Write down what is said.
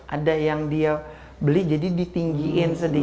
ada yang dia beli jadi ditinggiin sedikit